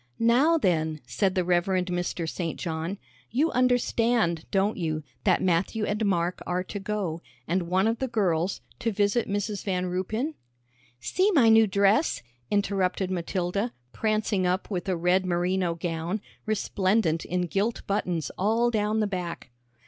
"Now then," said the Rev. Mr. St. John, "you understand, don't you, that Matthew and Mark are to go, and one of the girls, to visit Mrs. Van Ruypen?" "See my new dress," interrupted Matilda, prancing up with a red merino gown, resplendent in gilt buttons all down the back.